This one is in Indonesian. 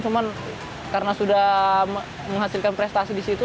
cuma karena sudah menghasilkan prestasi di situ